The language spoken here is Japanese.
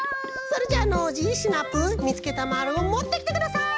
それじゃあノージーシナプーみつけたまるをもってきてください！